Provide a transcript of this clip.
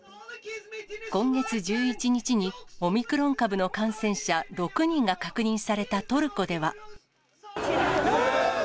今月１１日にオミクロン株の感染者６人が確認されたトルコでは。